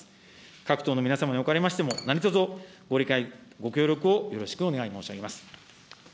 各党の皆様におかれましても、何とぞご理解、ご協力をよろしくお願い申し上げます。